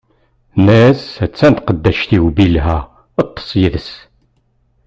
Tenna-as: a-tt-an tqeddact-iw Bilha, ṭṭeṣ yid-s.